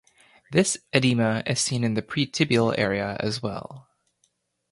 This edema is seen in the pretibial area as well.